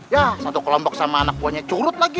ya satu kelompok sama anak buahnya curut lagi